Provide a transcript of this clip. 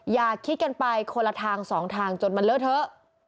อย่าคิดกันไปคนละทางสองทางจนมันเลอะเทอะ